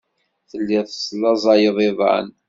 Telliḍ teslaẓayeḍ iḍan.